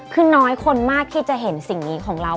คือน้อยคนมากที่จะเห็นสิ่งนี้ของเรา